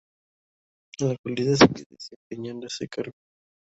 En la actualidad sigue desempeñando ese cargo.